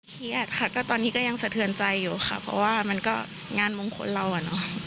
เครียดค่ะก็ตอนนี้ก็ยังสะเทือนใจอยู่ค่ะเพราะว่ามันก็งานมงคลเราอ่ะเนอะ